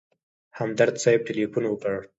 همدرد صاحب تیلفون وکړ.